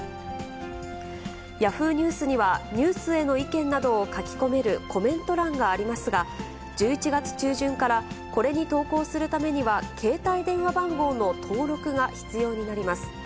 ヤフーニュースには、ニュースへの意見などを書き込めるコメント欄がありますが、１１月中旬から、これに投稿するためには携帯電話番号の登録が必要になります。